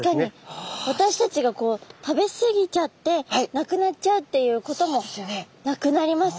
私たちがこう食べ過ぎちゃってなくなっちゃうっていうこともなくなりますもんね。